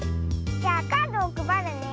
じゃあカードをくばるね。